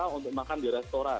mereka bisa makan di restoran